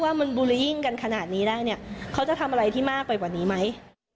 ว่ามันบูรียิ่งกันขนาดนี้ได้เนี่ยเขาจะทำอะไรที่มากไปกว่านี้ไหม